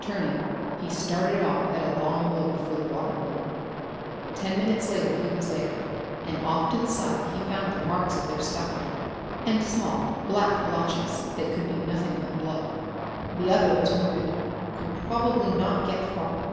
Turning, he started off at a long lope for the water hole. Ten minutes later he was there, and off to the side he found the marks of their scuffle and small black blotches that could be nothing but blood. The other was wounded: could probably not get far.